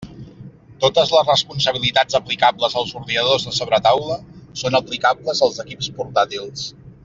Totes les responsabilitats aplicables als ordinadors de sobretaula són aplicables als equips portàtils.